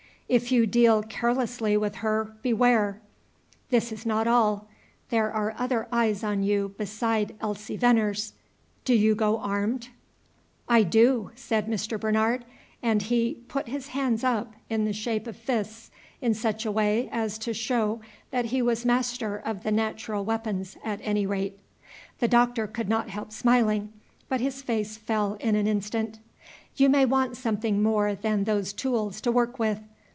If you deal carelessly with her, beware! This is not all. There are other eyes on you beside Elsie Venner's. Do you go armed?" "I do!" said Mr. Bernard, and he "put his hands up" in the shape of fists, in such a way as to show that he was master of the natural weapons at any rate. The Doctor could not help smiling. But his face fell in an instant. "You may want something more than those tools to work with.